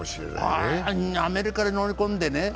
アメリカへ乗り込んでね